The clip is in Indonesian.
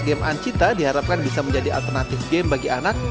game ancita diharapkan bisa menjadi alternatif game bagi anak